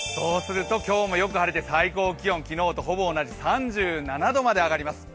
今日もよく晴れて最高気温、昨日とほぼ同じ３７度まで上がります。